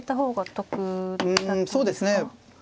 うんそうですね